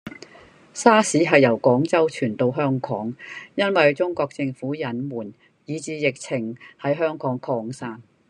沙士喺由廣州傳到香港，因為中國政府隱瞞，以致疫情喺香港擴散